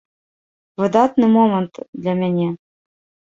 Выдатны момант для мяне.